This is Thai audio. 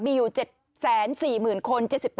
มีอยู่๗๔๐๐๐๐คน